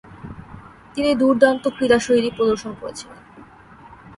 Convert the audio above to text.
তিনি দূর্দান্ত ক্রীড়াশৈলী প্রদর্শন করেছিলেন।